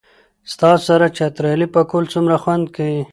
ستا سره چترالي پکول څومره خوند کئ